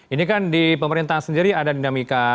ini kan di pemerintahan sendiri ada dinamika